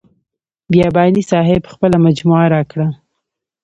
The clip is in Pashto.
بیاباني صاحب خپله مجموعه راکړه.